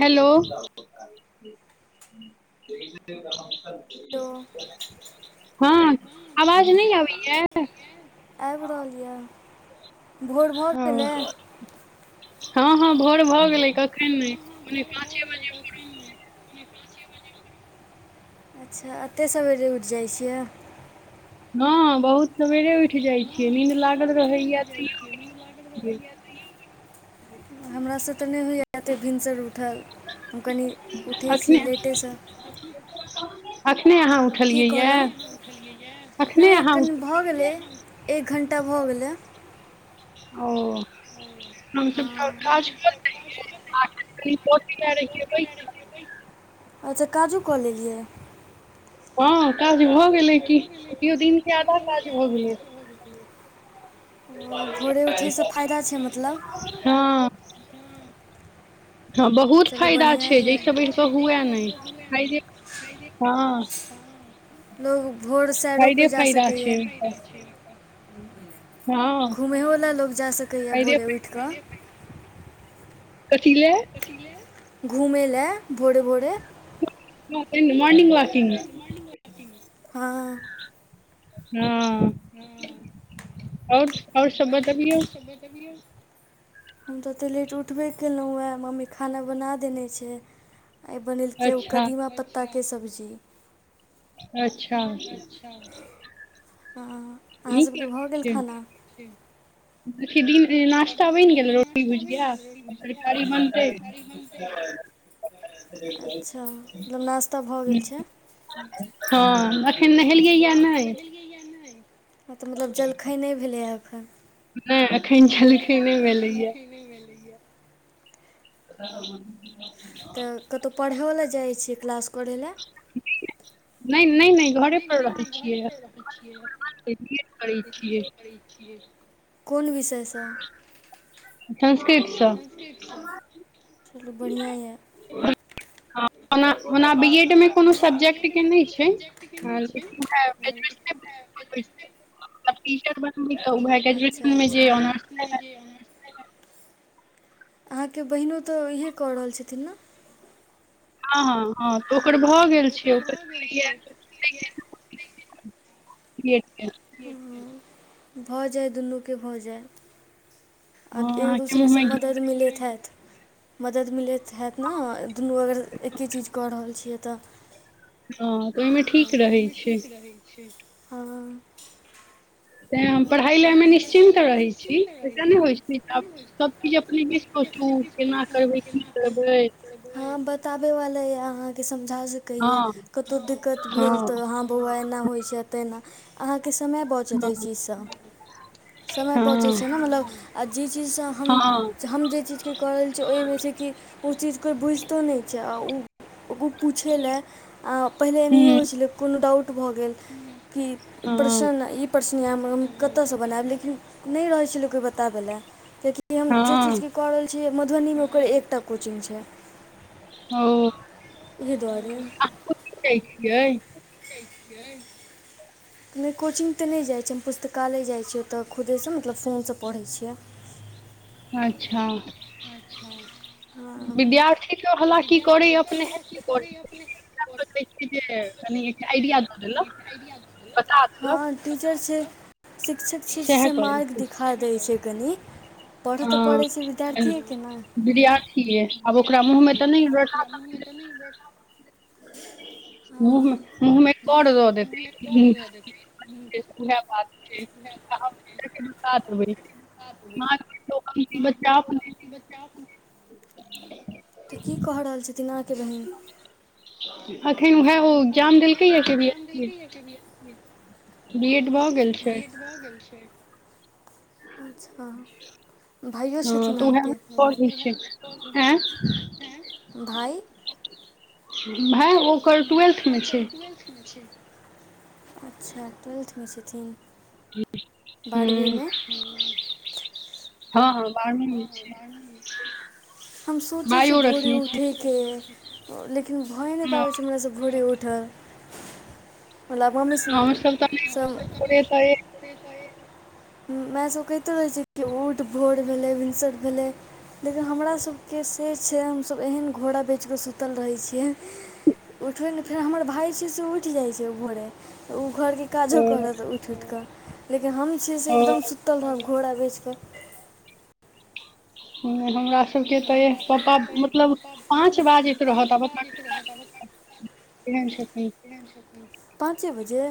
hello त ई त हाँ आवाज नहि आबैए आबि रहल यए भोर भऽ गेलैए भोर भऽ गेलै कखन नहि पोने पाँचे बजे अच्छा एतहि सवेरे उठि जाइ छियै हाँ बहुत सवेरे उठि जाइत छियै नीन्द लागल रहैया त हमरासे तऽ नहि होइए एतेक भिनसर र उथल हम कनि उठै छी लेटेसे एखने अहाँ उठलियै है नहि कनि भऽ गेलै एक घण्टा भऽ गेलैय ओ हमत काज [unintelligible] अच्छा काजू कऽ लेलियै हाँ काज भऽ गेलै क केओ दिन के आधा काज भऽ गेलै हाँ हाँ बहुत फायदा छै जाहिसे बढ़ि कऽ हुए नहिा हाँ [inaudible] लोक भोर साइडोपर जा सकैए [unintelligible] घूमेवला लोको जा सकैए भोरे उठि कऽ [unintelligible] कथी ले घुमै लए भोरे भोरे मार्निंग वाक हाँ हाँ हू [unintelligible] ओर आओ ओबे त भी हम तऽ ओतेक लेट उठबे कयलहुँ है मम्मी खाना बना देने छै आ बनेलकै ओ कदीमा पत्ताके सब्जी अच्छा हाँ अहाँ सबके भऽ गेल खाना [unintelligible] अच्छा मतलब नाश्ता भऽ गेल छै हाँ एखन नहेलियैए नहि आ तऽ मतलब जलखै नहि भेलैए एखन नहि एखन जलखै नहि भेलैया [unintelligible] तऽ कतहु पढ़यओ लेल जाइ छियै क्लास करय ले नहि नहि नहि घरेपर रहै छियै करै छियै कोन विषयस संस्कृतसँ चलू बढ़ियां यऽ हाँ ओना बीएड मे कोनो सब्जेक्टके नहि छै लेकिन गेजुएशन अबई [unintelligible] त टीचर बनी तऽए ग्रेजुएशन मे जे ऑनर्स अहाँके बहिनो तऽ इएह कऽ रहल छथिन ना हाँ हाँ तऽ ओकर भऽ गेल छै गेट पे भऽ जाय दुनूके भऽ जाय आब एक दोसरेसँ मदद मिलैत ह मदद मिलैत हैत ने दुनू अगर एके चीज कऽ रहल छियै तऽ ओ हाँ तऽ ओहिमे ठीक रहै छै हाँ तैं हम पढ़ाई ला मे निश्चिन्त रहै छी एसे ने होइ छैब सब चीज अपने ब सोचु हाँ बताबे वाले अह अहाँके समझा सकैए कतौ दिक्कत भेल तऽ हँ बौआ एना होइ छै ते एना अहाँके समय भऽ जायत एहि चीजस [inaudible] समय पहुँचैत छै ने मतलब आ जे चीजसँ हम हम जे चीजके कऽ रहल छियै ओहिमे छै कि उस चीज को भुझ तो नहि चह त ओ पुछै लए पहिले एनाहिए होइ छलै कोनो डाउट भऽ गेल कि प्रश्न ई प्रशन कतऽसँ बनायब लेकिन नहि रहै छै लोकके बताबै लए कियाकि हम जे चीजके केऽ रहल जे मधुबनी मे ओकर एकटा कोचिंग छै ओ अहाँ कोचिंग जाई छियै हूँ नहि कोचिंग तऽ नहि जाइत छै हम पुस्तकालय जाइत छी ओतय खुदेसे मतलब फोनसे पढ़ैत छियै अच्छा अच्छा हँ विद्यार्थी के खला की करै अपने [unintelligible] हाँ टीचर छै शिक्षक छै से मार्ग दिखा दै छै कनि पढ़ऽ तऽ पड़ै छै विधार्थी ये आब ओकरा मुँहमे तऽ नहि [inaudible] मुॅंह मुॅंहमे कोर द देतै [unintelligible] आबी [unintelligible] तऽ की क रहल छथिन अखन उएह ओ एगजाम देलकै या K V S [inaudible] B Ed भऽ गेल छै अच्छा भाइयो स आहा के भाय भााय ओकर ट्वेल्थ मे छै अच्छा ट्वेल्थ मे छथिन ह हँ हँ बारहबी बारहमी मे छै हम सोचै छिय भोरे उठैके लिन किु भए नहि पाबै छै हमरास भोरे उठल मतलब मम्मी सँ माँ सब कते रहै छै उठ भोर भेलै इ सब भेले लेकिन हमरा सब के से छै हम सब एहन घोड़ा बेच के सुतल रहे छियै [inaudible] उठबै नहि फेर हमर भााय छ से उठि जाइ छै भोरे ओ घरके काजो करत उठि उठि कऽ ि हम छी से एकदम सुतल रहब घोड़ा बेच कऽ [inaudible] हमरा सबके तऽ पापा मतलब पाँच बाजैत रहत आब अपना पाँचे बजे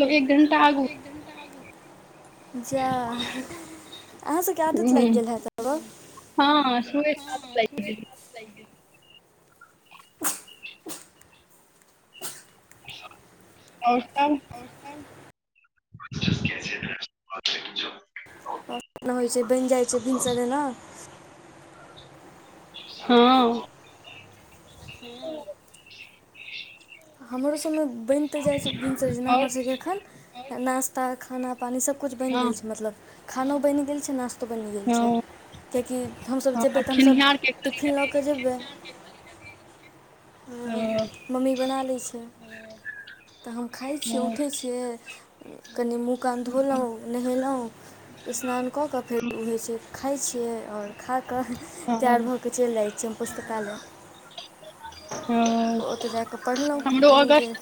हो एक घंटा आगू जा अहाँसभ के आदत लागि गेल हएत हँ सुतले गेल रहे छी आओर एहि फ [unintelligible] [unintelligible] नहि होइ छै बनि जाइत छै बिन से ने हँ हँ हमरो सबमे बनि तऽ जाइ छै भिनसर जेना हमर सबके एखन नास्ता खाना पानि सबक किछ बनि गेल छै मतलब खानो बनि गेल छै नाा बनि गेल छै कियकि हमसभ जेबै तऽ हमसभ टिफिन लऽ कऽ जेबै मम्मी बना लैय छै तऽ हम खाइ छियै उठै छियै कनी मुँह कान धोलहुँ नहेलहुँ स्नान कऽ कऽ फेर ओ होइत छै खाइत छियै आओर खा क तैयार भऽ कऽ चलि जाइ छी हम पुस्तकालय ओ तऽ जा कऽ पढ़ लौ कनी देर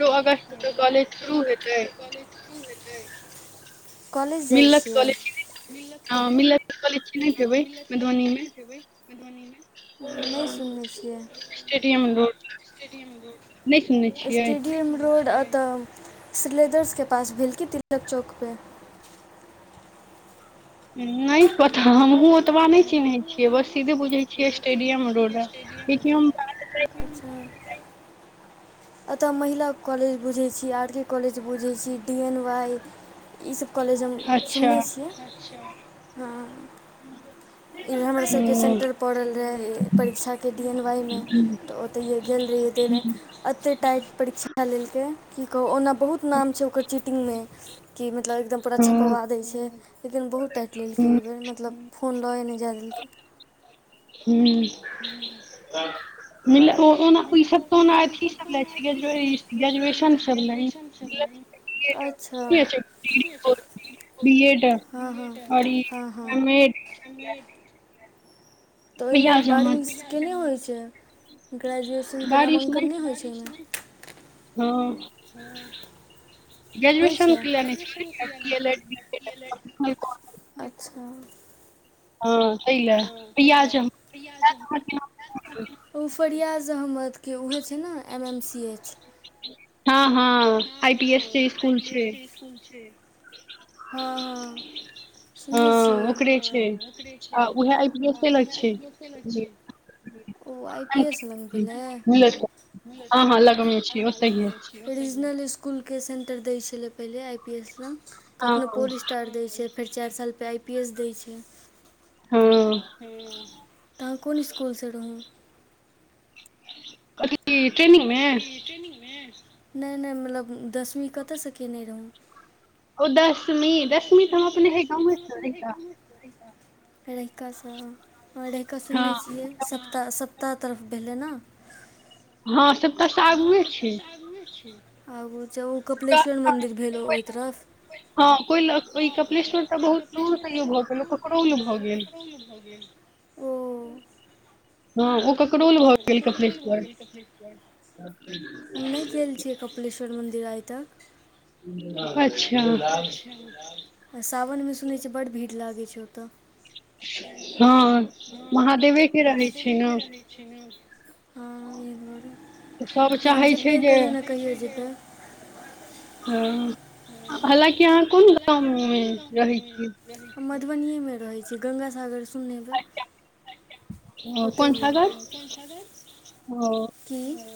दू अगस्त त अगर के कॉलेज खुल जेतय कॉलेज जाइ छियै मिल्लत कॉलेज अ मिल्लत कॉलेज चिन्हत हेबय मधुबनीमे न छ स्टेडियम रोड श्रीलेदरसकेपास भेल कि तिलक चौकपर नहि पता हमहहुँ ओतबा नहि चिन्हैत छियै बस सीधे बुझैत छियै स्टेडियम रोड किया की हम ठ कहे छै एतय महिला कॉलेज बुझैत छी आर के कॉलेज बुझैत छी डी एन वाई ई सब कॉलेज हम सुनने छियै हँ ह इ हमरा सबके सेंटर पड़ल रहे परीक्षा के डी एन वाई मे तऽ ओतहिये गेल रहहि अते परीक्षा लेलकै की कह ओना बहुत नाम छै ओकर चीटिंगमे मतलब एकदम पूरा छपवा देय छिये लेकिन बहुत टाइट लेलकै एबेर मतलब फोन लए नय जाय देलकय हू म ईसभ तऽ ओना अथी सभ लए छै ग्रदु ग्रेजुएशन सब ल एड अ बी एड ओर ईम एड अी तहिमे बारहवीं केने होइ छै ग्रेजुएशनके नामंकन नहि होइ छै एहिमे हँ ह्म हो छैए अच्छा ओ फड़ अहमद के उह से हँ हँ आइ पी एस जे स्कूल छै हँ हँ सुने छियै आइ पी एस लग छै ओ आई पी एस लग भेलय रीजनल स्कूल के सेंटर दै छलै पहिले आई पी एस मे कखनो पोल स्टार दै छै फेर चार सालपर आई पी एस दै छै त अहाँ कोन इसकुल सँ रहु अथी ट्रेनिंगमे नैय नैय मतलब दसमी कतयसँ कयने रहौ ओ दशमी दशमी तासने ह गामे से रहिकासँ रहिकऽ सुनने छियै सप्ताह सप्ता कु्ता तरफ भेलै ने हँ से हँ सब त आगु छै आगु जब ओ कपिलेश्वर मन्दिर भेल ओहि तरफ हँ कोईलख कपिलेश्वर तऽ बहुत दूर से यो भऽ गेल ककरोल भऽ गेल हँ ओ क ककरोल भऽ गेल कपेश्वर केश्वर मन्दिर आयतऽ अच्छा आ सावनमे सुनैत छै बड्ड भीड़ लागैत छै ओतय हँ महादेवेके रहै छै न सभ चाहै छै जे ह हलाँकि अहाँ कोन गाँवमे रहै छियै हम मधुबनीेमे रहैत छी गंगा सागर सुनने हेबय ओ तऽ ई य क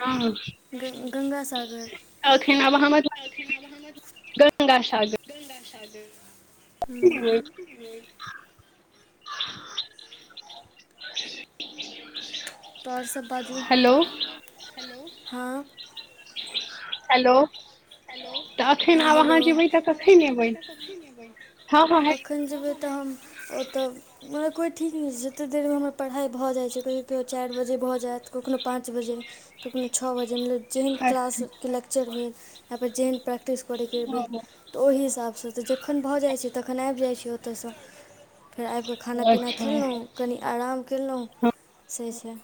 हँ अखन आब हम खना बह दोन दस ह्म तऽ आर सभ बाजूो हेलो हँ हेलो हेलो हँ हेलो एखन जेबै तऽ हम ओतय म कोइ ठीक नहि छै जतेक देरमे हमर पढ़ाइ भऽ जाइ छै कहियो कहियो चार बजे भऽ जायत कखनो पाँच बजे कखनो छ बजे मतलब जेहन क्लासके लेक्चर भेल या फर जेहन प्रैक्ट प्रैक्टिस करैके भेल तऽ ओहि हिसाब तऽ जखन भऽ जाइत छै तखन आबि जाइत छी ओतयसँ फेर आबिकऽ खाना पीना खेलहुँ कनि आराम केलहुँ से ह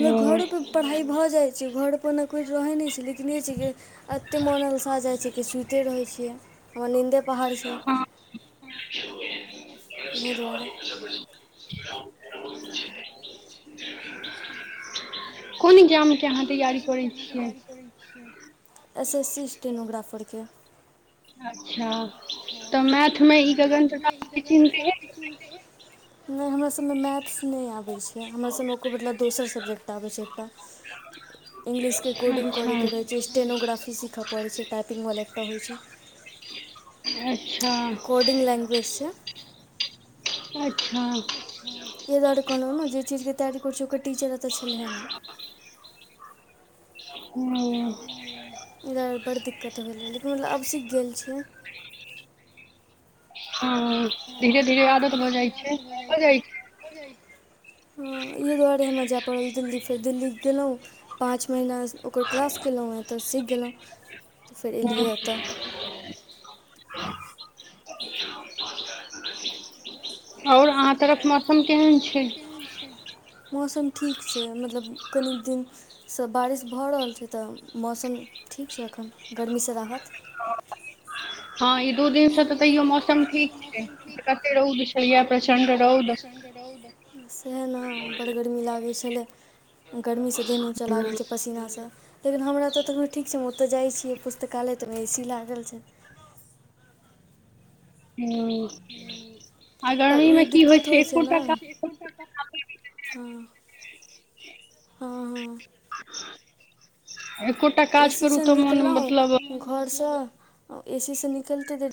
मतलब घरोपर पढ़ाइ भऽ जाइ छै घरोपर ने कोइ रहै नहि छै लेकिन ई छै कि एते मोन अलसा जाइ छै कि सुते रहै छियै हमर नीन्दे पहाड़ छै [unintelligible] कोन एगजाम के अहाँ तैयारी करै छियै एस एस सी स्टेनोग्राफरके अच्छा तऽ मैथमे ई ग हम हमरा सभमे मैथ्स नहि आबै छै हमरा सभमे ओ बतला दोसर सब्जेक्ट आबै छै एकटा इंग्लिश के कोडिंग कर के रहैत छै स्टनोग्राफी सीखऽ पड़ै छै टाइपिङंगवला एकटा होइ छै कोडिंग लैंग्वेज से अच्छा ए दुआर कहलहुँ ने जे चीजके तैयारी करैत छ ओकर टीचर एतय छलहे ने [unintelligible] इधर बड़ दिक्कत भेलै लेकिन मतलब आब सीख गेल छै ह धीरे धीरे आदत हो जाइ छै हो जाइ छै हा ई द्वारे हमरा जाय पड़ल दिल्ली फेर दिल्ली गेलहुँ पाँच महिना ओकर क्लास केलहुँतऽ सीख गेलहुँ फेर एलियैतऽ [inaudible] ओर अहाँ तरफ म मौसम ठीक छै मतलब कनिक दिन से बारिश भऽ रहल छै तऽ मौसम ठीक छै ह हँ ई दू दिन से तऽ तैयो मौसम ठीक छै कते रौद छए सएह ने बड़ गर्मी लागै छलै गर्मीसँ देनूसँ लागैत छै पसीनासँ लेकिन हमरा तऽ तखनो ठीक छै मो तऽ जाइ छियै पुस्तकालय तऽमे ऐसी लागल छै हू पर ओही दिक्कत होइ छै ने हँ हँ हँ ए सी से निकलहुँ घरसँ एसी से निकलते दे